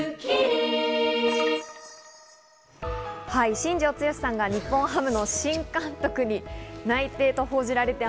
新庄剛志さんが日本ハムの新監督に内定と報じられて。